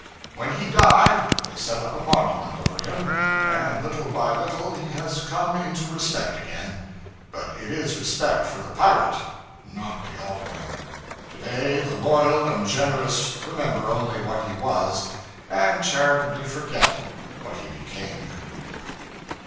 When he died, they set up a monument over him; and little by little he has come into respect again; but it is respect for the pirate, not the alderman. To day the loyal and generous remember only what he was, and charitably forget what he became.